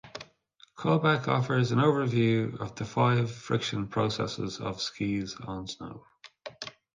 Colbeck offers an overview of the five friction processes of skis on snow.